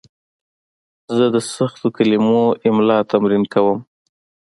زه د سختو کلمو املا تمرین کوم.